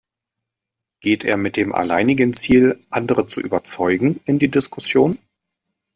Geht er mit dem alleinigen Ziel, andere zu überzeugen, in die Diskussion?